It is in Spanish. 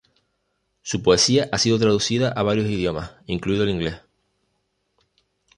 Su poesia ha sido traducida a varios idiomas, incluido el ingles.